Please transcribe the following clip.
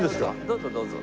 どうぞどうぞ。